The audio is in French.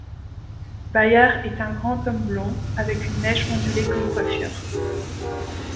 Bayard est un grand homme blond, avec une mèche ondulée comme coiffure.